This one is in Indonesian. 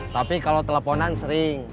tapi kalau teleponan sering